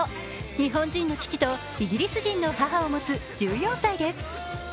日本人の父とイギリス人の父を持つ１４歳です